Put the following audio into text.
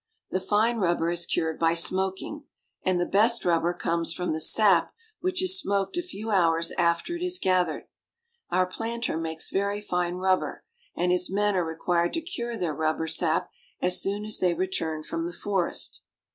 The fine rubber is cured by smoking, and the best rubber comes from the sap which is smoked a few hours after it is gathered. Our planter makes very fine rubber, and his men are required to cure their rubber sap as soon as they return from the forest.